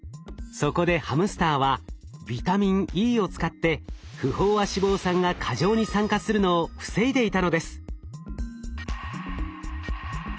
そこでハムスターはビタミンＥを使って不飽和脂肪酸が過剰に酸化するのを防いでいたのです。